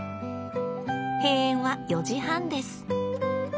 閉園は４時半です。